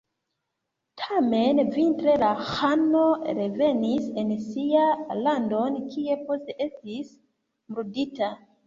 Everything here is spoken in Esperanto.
Tamen vintre la ĥano revenis en sian landon, kie poste estis murdita.